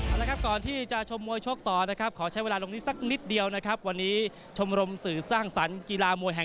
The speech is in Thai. มิวเฮียนรับรางวัลว่ามัน